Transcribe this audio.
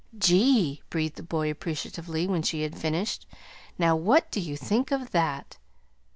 "Gee!" breathed the boy appreciatively, when she had finished. "Now what do you think of that!"